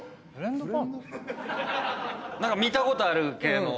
何か見たことある系の。